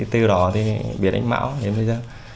từ đó thì biết anh mão đến bây giờ